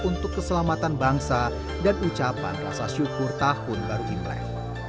untuk keselamatan bangsa dan ucapan rasa syukur tahun baru imlek